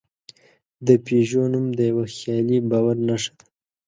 د پيژو نوم د یوه خیالي باور نښه ده.